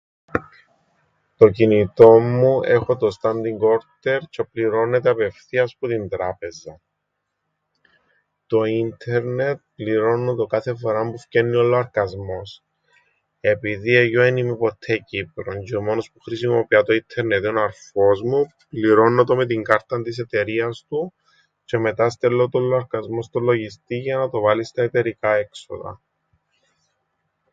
Το κινητόν μου έχω το standing order τζ̆αι πληρώννεται απευθείας που την τράπεζαν. Το ίντερνετ πληρώννω το κάθε φορά που φκαίννει ο λοαρκασμός. Επειδή εγιώ εν είμαι ποττέ Κύπρον τζ̆αι ο μόνος που χρησιμοποιά το ίντερνετ εν' ο αρφός μου πληρώννω το με την κάρταν της εταιρείας του τζ̆αι μετά στέλλω τον λοαρκασμόν στον λογιστήν για να το βάλει στα εταιρικά έξοδα.